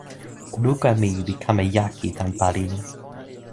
luka mi li kama jaki tan pali ni.